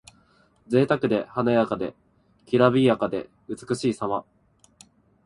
ぜいたくで華やかで、きらびやかで美しいさま。